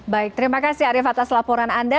baik terima kasih arief atas laporan anda